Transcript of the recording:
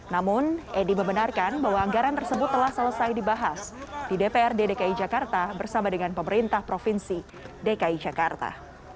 namun edi membenarkan bahwa anggaran tersebut telah selesai dibahas di dprd dki jakarta bersama dengan pemerintah provinsi dki jakarta